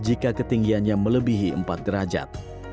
jika ketinggiannya melebihi empat derajat